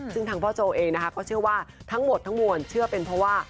ซึ่งทางพ่อโจเองนะคะก็เชื่อว่าทั้งหมดทั้งมวลเชื่อเป็นเพราะว่า